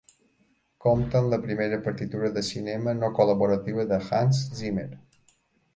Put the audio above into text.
Compta amb la primera partitura de cinema no col·laborativa de Hans Zimmer.